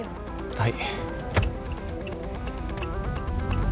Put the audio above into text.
はい。